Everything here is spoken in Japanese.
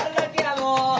もう！